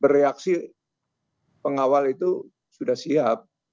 reaksi pengawal itu sudah siap